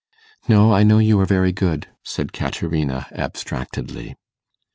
'No; I know you are very good,' said Caterina, abstractedly.